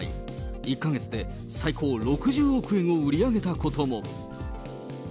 １か月で最高６０億円を売り上げたことも。